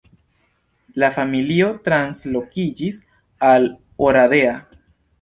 La familio translokiĝis al Oradea.